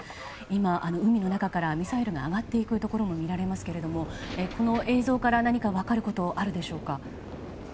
今、海の中からミサイルが上がるところが見られますがこの映像から何か分かることはあるでしょうか。